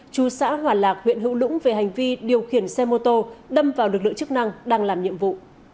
chú xã hòa lạc huyện hữu lũng về hành vi điều khiển xe mô tô đâm vào lực lượng chức năng đang làm nhiệm vụ